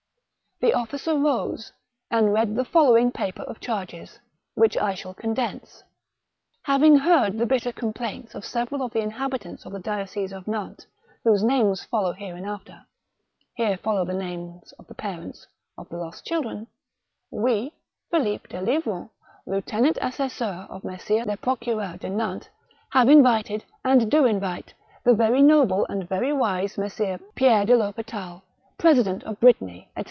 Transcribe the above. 211 The ofl&cer rose, and read the following paper of charges, which I shall condense :—" Having heard the bitter complaints of several of the inhabitants of the diocese of Nantes, whose names follow hereinafter (here follow the names of the parents of the lost children), we, Philippe de Livron, lieutenant assesseur of Messire le Procureur de Nantes, have invited, and do invite, the very noble and very wise Messire Pierre de THospital, President of Brittany, &c.